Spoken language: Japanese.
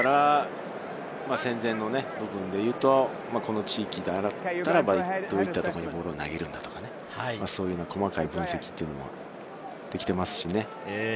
戦前の部分でいうと、この地域だったら、どういったところにボールを投げるのか、細かい分析ができていますしね。